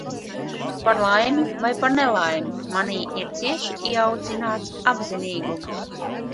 Par laimi vai par nelaimi, manī ir cieši ieaudzināts apzinīgums.